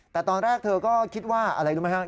แต่ตอนแรกเธอก็คิดว่าอะไรรู้ไหมครับ